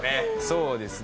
そうですね。